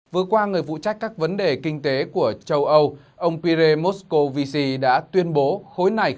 vừa qua người vụ trách các vấn đề kinh tế của châu âu ông pire moscovici đã tuyên bố khối này